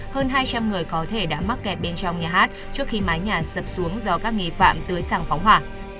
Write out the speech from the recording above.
hơn hai trăm linh người có thể đã mắc kẹt bên trong nhà hát trước khi mái nhà sập xuống do các nghi phạm tưới sàng phóng hỏa